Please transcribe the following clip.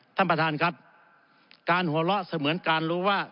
ท่านประธานครับการหัวเราะเสมือนการรู้ว่า